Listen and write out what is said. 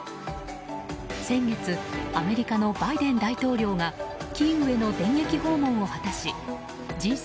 先月、アメリカのバイデン大統領がキーウへの電撃訪問を果たしＧ７